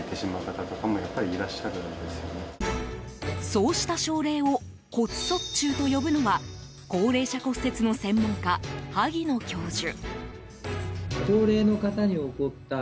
そうした症例を骨卒中と呼ぶのは高齢者骨折の専門家、萩野教授。